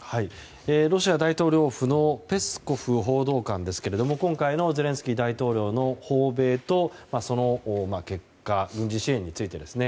ロシア大統領府のペスコフ報道官ですけども今回のゼレンスキー大統領の訪米とその結果軍事支援についてですね。